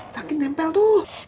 sakit tempel tuh